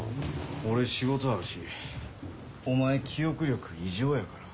俺仕事あるしお前記憶力異常やから。